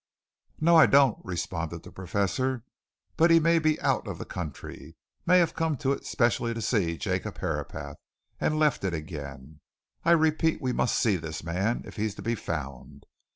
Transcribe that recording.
"No, I don't," responded the Professor. "But he may be out of the country: may have come to it specially to see Jacob Herapath, and left it again. I repeat, we must see this man, if he's to be found.